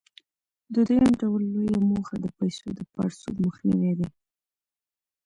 د دویم ډول لویه موخه د پیسو د پړسوب مخنیوى دی.